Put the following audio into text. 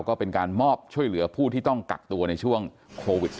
ก็เป็นการมอบช่วยเหลือผู้ที่ต้องกักตัวในช่วงโควิด๑๙